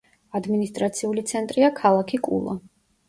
ადმინისტრაციული ცენტრია ქალაქი კულა.